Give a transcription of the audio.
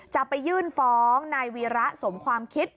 จะไปยื่นฟ้องนายวีระสมความคิด